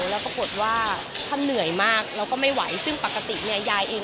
แล้วปรากฏว่าท่านเหนื่อยมากเราก็ไม่ไหวซึ่งปกติเนี่ยยายเอง